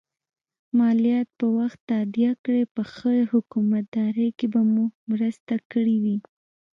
مالیات په وخت تادیه کړئ په ښه حکومتدارۍ کې به مو مرسته کړي وي.